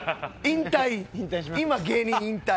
今、芸人引退。